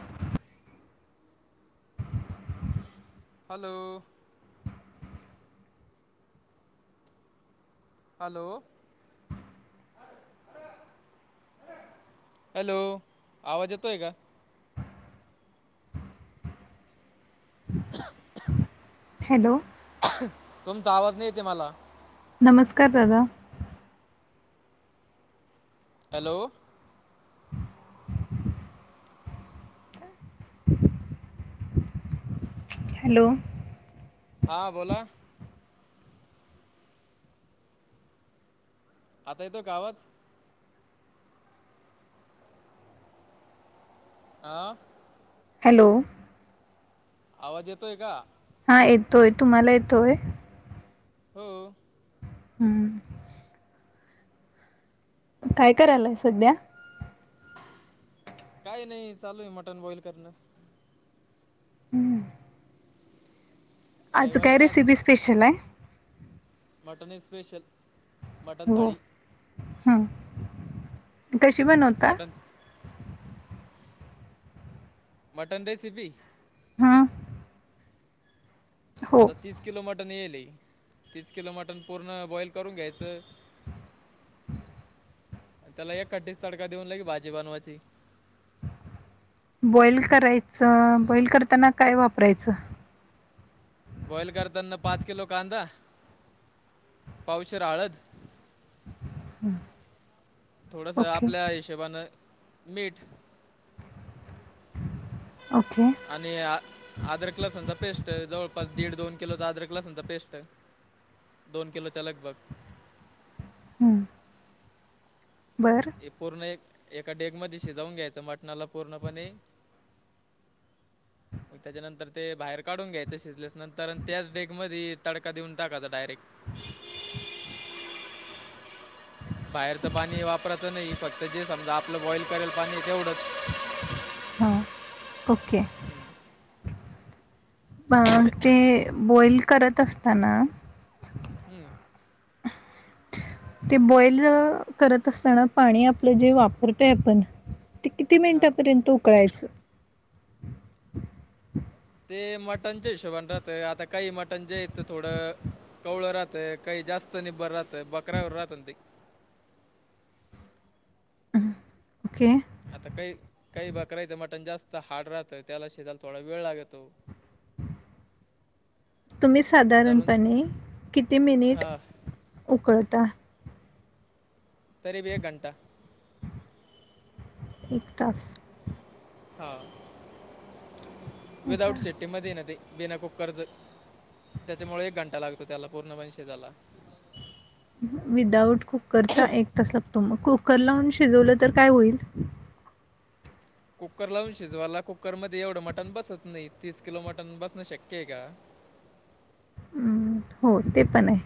[inaudible] Hello hello hello आवाज येतोय का? ठप ठप [inaudible] [unintelligible] हॅलो तुमचा आवाज नाही येते मला नमस्कार दादा हॅलो हॅलो हा बोला आता येतोय का आवाज? आा हॅलो आवाज येतोय का? हा येतोय तुम्हाला येतोय? हो हम्म काय करायलाय सध्या? काय नाही चालूय मटण बॉईल करणं हम्म आज रविवार काय आहे ना रेसिपी स्पेशलाय? मटनय स्पेशल मटण हो थाळी ह कशी बनवता? मटण मटन रेसिपी? हां आता तीस किलो मटण येयेलय तीस किलो मटण पूर्ण बॉईल करून घ्यायचं त्याला एक खट्टा तडका देऊन लगे भाजी बनवायची बॉईल करायचं बॉईल करताना काय वापरायचं? बॉइल करताना पाच किलो कांदा पावशर हळद हं. थोडस ओके आपल्या हिशशबनें मीठ ओके आणि आद्रक लसून च्या पेस्ट जवळपास दीड दोन किलोचा आद्रक लसन च्या पेस्ट दोन किलोच्या लगभग हं. बरं. हे पूर्ण एक एका डेग मध्ये शिजवून घ्यायचं मटणाला पूर्णपणे मग त्याच्यानंतर ते बाहेर काढून घ्यायचें शिजल्यास नंतर आणि त्याच डेग मध तडका देऊन टाकाचा डायरेक्ट बाहेरचं पाणी वापरायचं नाही फक्त जे समजा आपलं बॉईल करायला पाणी तेवढंच. हां ओके, ते बॉईल करत असताना हम्म. ते बॉईल करत असताना पाणी आपलं जे वापरतय आपण ते किती हा मिनिटापर्यंत उकळायचं? ते मटनच्या हिशोबान राहत आता काही मटणचे आहेत तर थोडं कवळं राहतंय काही जास्त निबर राहतय बकऱ्यावर राहत ते ओके. आता काही काही बकरायचं मटण जास्त हारड राहतं त्याला शेजायला थोडा वेळ लागतो. तुम्ही धरून साधारणपणे किती मिनिट हां उकळता. करीब एक घंटा एक तास. हा हो का विदाउट सेट्टी मध्ये ना ते बिना कुक्कर त्याच्यामुळे एक घंटा लागतो त्याला पूर्णपणे शिजयला. विदाउट कुकरचा एक तास लागतो. मग कुकर लावून शिजवलं तर काय होईल? कुकरला लावून शिजवायला कुकर मध्ये एवढं मटण बसत नाही. तीस किलो मटन बसणं शक्य आहे का? हो ते पण आहे.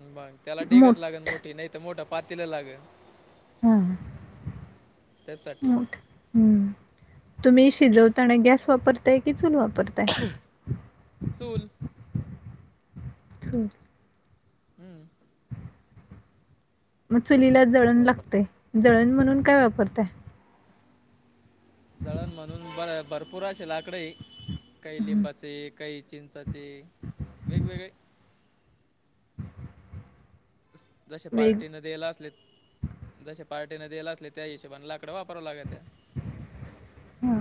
बग त्याला डेगच लागल मोठ मोठी, नाही तर मोठं पातीला लागल हां त्यासाठी हम्म तुम्ही शिजवताना गॅस वापरताय कि चूल वापरता? चूल. चूल. हम्म. मग चुलीला चूल जळण वापर लागते जळण म्हणून काय वापरताय? जळण म्हणून बर भरपूर असे लाकडेये काही हं. लिंबाचे काही चिंचाचे वेगवेगळे जसे वेग पार्टीन दिला असले. जसे पार्टीने दिला असले त्या हिशेबाने लाकड वापराव लागत्या. हा.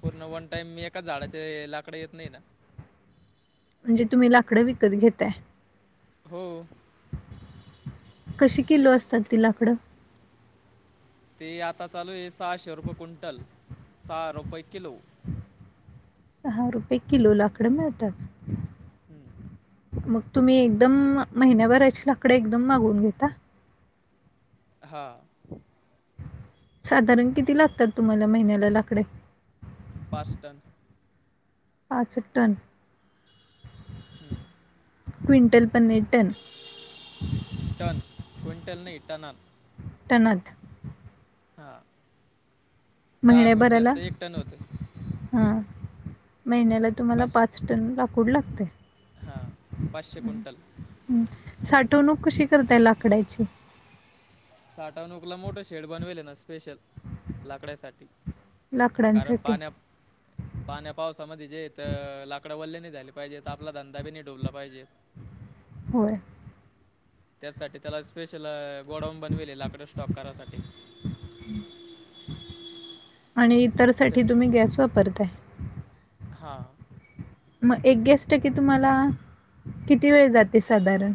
पूर्ण वन टाइम मी एकाच झाडाचे लाकड येत नाही ना. म्हणजे तुम्ही लाकडं विकत घेताय? हो. कशी किलो असतात ती लाकडं ते आता चालू आहे सहाशे रुपये कुंटल सहा रुपये किलो. सहा रुपये किलो लाकडं मिळतात. हम्म. मग तुम्ही एकदम महिन्याभराची लाकडे एकदम मागवून घेता. हा साधारण किती लागतात तुम्हाला महिन्याला लाकडे पाचटन. पाच टन क्विंटल पण नई टन. टन क्विंटल नई टणात. त्यानत खा महिन्याबरला होतं हा महिन्याला तुम्हाला पाच टन लाकूड लागतय. हां पाचशे अह क्विंटल हू साठवणूक कशी करताय लाकडाची साठवणूकला मोठं शेड बनविल ना स्पेशल लाकड्यासाठी कारण लाकडांसाठी पाण्या पाण्या पावसामध्ये जेथ लाकडं वल्ले नाय झाले पाहिजेट आपला धंदा बी नाय डुबला पाहिजे. होय. त्याससाठी त्याला स्पेशल अ गोडाऊन बनवेल लाकड स्टॉक करासाठी आणि इतर ते साठी तुम्ही गॅस वापरताय. हां मग एक गेस्ट की तुम्हाला किती वेळ जाते साधारण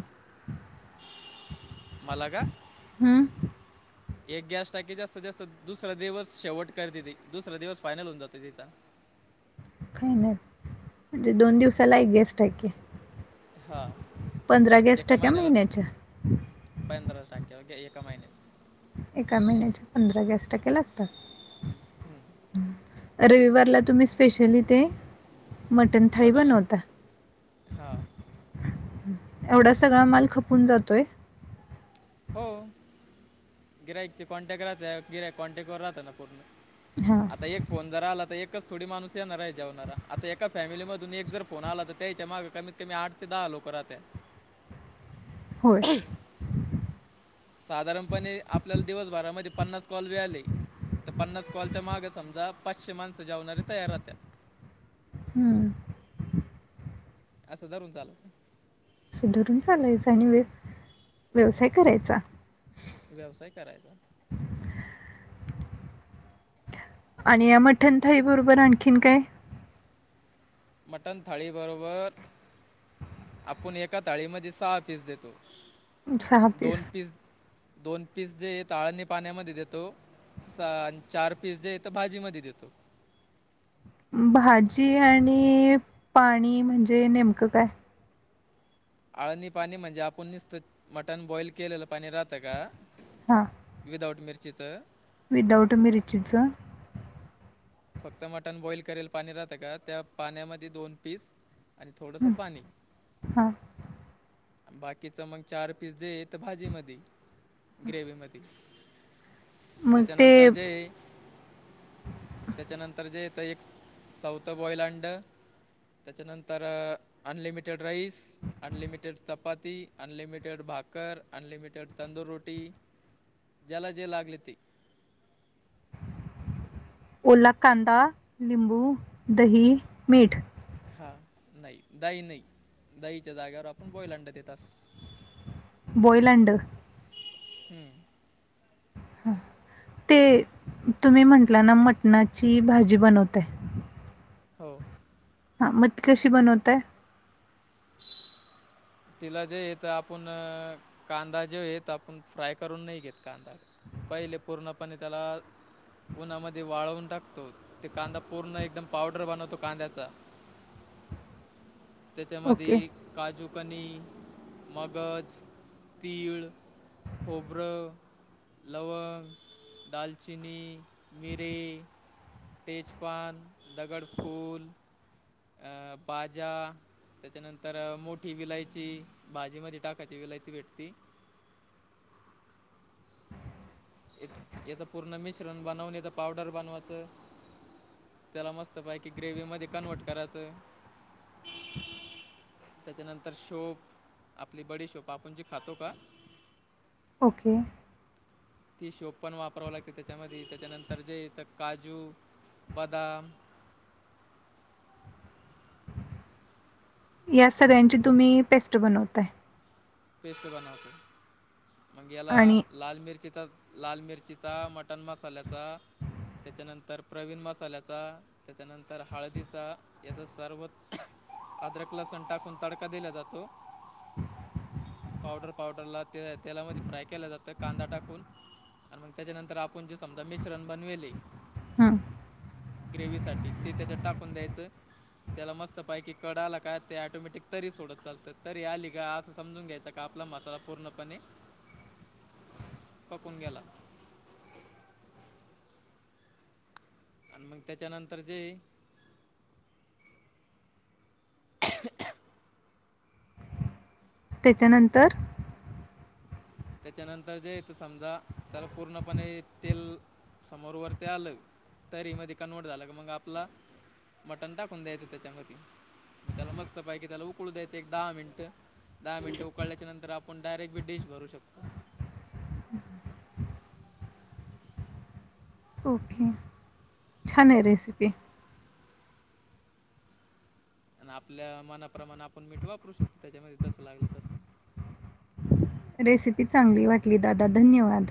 मला का हम्म एक गॅस टाकी जास्त जास्त दुसरा दिवस शेवट करते ती दुसरा दिवस फायनल होऊन जातो तिचा फायनल म्हणजे दोन दिवसाला एक गेस्ट आहे की हां पंधरा गॅस एका टाक्या महिन्याला महिन्याच्या पंधरा टाक्या गॅ एका महिण्याच्या एका महिन्याच्या पंधरा गॅस टक्या लागतात. अ रविवारला तुम्ही स्पेशली ते मटन थाळी मटण बनवता. हां एवढा सगळा माल खपून जातोय. हो गिरायकचे कॉन्टॅक्ट राहत्या, गिराइक कॉन्टॅक्ट वर राहत ना पूर्ण हा. आता एक फोन जर आला तर एकच थोडी माणूस येणार हाय जेवणारा आता एका फॅमिलीमधून एक जर फोन आला तर त्यायच्या माग कमीत कमी आठ ते दहा लोक राहत्या. होय. साधारणपणे आपल्याला दिवसभरामध्ये पन्नास कॉल बी आले त पन्नास कॉलच्या माग समजा पाचशे माणसं जेवणारे तयार राहत्यात. हूं असं धरून चालाच असं धरून चालायच आणि व्य व्यवसाय करायचा. व्यवसाय करायचा. आणि या मठण थाळी बरोबर आणखीन काय? मटण थाळीबरोबर आपूण एका थाळीमध्ये सहा पीस देतो दोन पीस दोन पीस जे येता आळनी पाण्यामध्ये देतो. सा आणि चार पीस जे येत भाजी मध्ये देतो. भाजी आणि पाणी म्हणजे नेमकं काय? आळणी पाणी म्हणजे आपण निसत मटण बॉईल केलेलं पाणी राहतं का हां विदाआउट मिरचीचं विदाउट मिरचिच फक्त मटण बॉईल करेल पाणी राहतं का त्या पाण्यामध्ये दोन पीस आणि थोडंसं हं, पाणी हां अनं बाकीच मग चार पीस येत भाजी मधी ग्रेवी मधी मग ते त्याच्यानंतर जे त्याच्यानंतर जे येतं एक सौथ बॉईल अंड त्याच्यानंतर unlimited rice. Unlimited chapati, unlimited भाकर, अनलिमिटेड तंदूररोटी. ज्याला जे लागेल ते. ओला कांदा, लिंबू, दही, मीठ. हा नाही दई नाही. दहीच्या जागेवर आपण बोईल अंड देत असतो. Boys and. हम्म हां ते तुम्ही म्हटला ना मटणाची भाजी बनवताय. हो हा मग कशी बनवताय. तिला जे येत आपण कांदा जे येत आपण फ्राय करून नाही घेत कांदा. पहिले पूर्णपणे त्याला उन्हामध्ये वाळवून टाकतो ते कांदा पूर्ण एकदम पावडर बनवतो कांद्याचा. [inaudible] ओके, त्याच्यामध्ये काजू पनी, मगज, तीळ, खोबरं. लवंग, दालचिनी, मिरे. त तेजपान, दगडफूल. अ बाजा. त्याच्यानंतर मोठी विलायची भाजीमध्ये टाकाची विलायची भेटते. ह्याच पूर्ण मिश्रण बनवून ह्याच पावडर बनवायचं. त्याला मस्त पायकी ग्रेव्ही मध्ये कन्व्हर्ट करायच. त्याच्यानंतर शोभ आपली बडी शोप आपण जी खातो का. ओके ती शोप पण वापराव लागते त्याच्यामध्ये त्याच्यानंतर जे इथ काजू, बदाम. या सगळ्यांची तुम्ही पेस्ट बनवताय. पेस्ट बनवतो मग याला. आणि लाल मिरचीचा लाल मिरचीचा मटण मसाल्याचा. त्याच्यानंतर प्रवीण मसाल्याचा. त्याच्यानंतर हळदीचा याचा सर्वत. अद्रक लसुण टाकून तडका दिला जातो. पावडर पावडरला तेलामध्ये फ्राय केला जातं कांदा टाकून आणि मग त्याच्यानंतर आपण जे समजा मिश्रण बनवेले हां ग्रेव्ही साठीची ते त्याच्यात टाकून द्यायचं. त्याला मस्त पैकी कड आला काय ते ऑटोमॅटिक तरी सोडत चालतं तरी आली अस समजून घ्यायचा का आपला मसाला पूर्णपणे पकून गेला. आणि मग त्याच्यानंतर जे. त्याच्यानंतर त्याच्यानंतर जे येत समजा त्याला पूर्णपणे तेल समोरवर ते आलं. तरी मध्ये कन्वर्ट झाला मग आपला मटण टाकून द्यायचं त्याच्यामध्ये. मग त्याला मस्त पैकी त्याला उकळू द्याेतं एक दहा मिनट. दहा मिनिटं उकल्याच्यांतर आपण डारेक्ट टेस्ट करू शकतो. [inaudible] ओके छान आहे रेसिपी. आणि आपल्या मनाप्रमाणे आपण मीठ वापरू शकतो त्याच्यामध्ये जसं लागलं तस. रेसिपी चांगली वाटली दादा धन्यवाद.